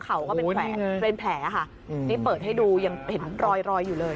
ก็เป็นแผลเป็นแผลค่ะนี่เปิดให้ดูยังเห็นรอยรอยอยู่เลย